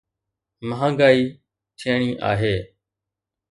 مهانگائي ٿيڻي آهي.